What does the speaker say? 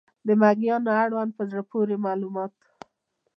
د مېږیانو اړوند په زړه پورې معلومات